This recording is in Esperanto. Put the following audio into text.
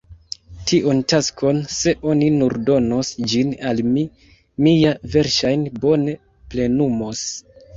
Tiun taskon, se oni nur donos ĝin al mi, mi ja verŝajne bone plenumos!